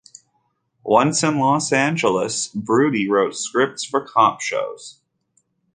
Once in Los Angeles, Brody wrote scripts for cop shows.